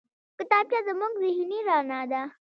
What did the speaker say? کتابچه زموږ ذهني رڼا ده